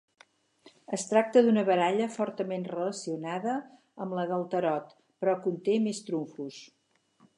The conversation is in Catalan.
Es tracta d'una baralla fortament relacionada amb la del tarot, però conté més trumfos.